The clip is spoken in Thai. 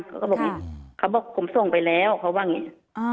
เขาก็บอกค่ะเขาบอกผมส่งไปแล้วเขาบอกอย่างงี้อ่า